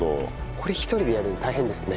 これ１人でやるの大変ですね。